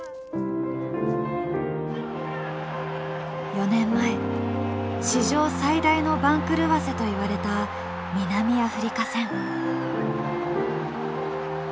４年前史上最大の番狂わせといわれた南アフリカ戦。